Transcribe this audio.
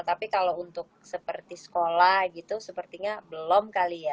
tapi kalau untuk seperti sekolah gitu sepertinya belum kali ya